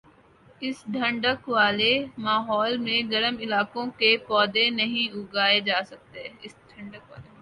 اس ٹھنڈک والے ماحول میں گرم علاقوں کے پودے نہیں اگائے جاسکتے